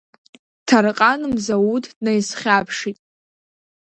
Ҭарҟан Мзауҭ днаизхьаԥшит.